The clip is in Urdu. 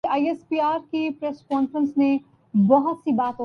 مسلمان ممالک مغربی ممالک